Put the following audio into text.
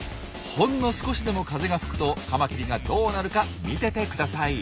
ほんの少しでも風が吹くとカマキリがどうなるか見ててください。